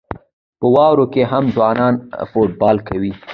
په واورو کې هم ځوانان فوټبال کوي.